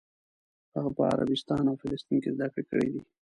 هغه په عربستان او فلسطین کې زده کړې کړې دي.